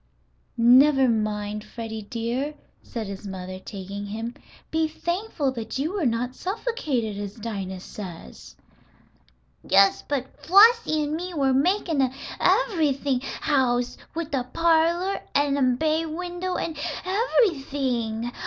"Never mind, Freddie dear," said his mother, taking him. "Be thankful that you were not suffocated, as Dinah says." "Yes, but Flossie and me were makin' an ev'rything house, with a parlor, an' a bay window, an' ev'rything.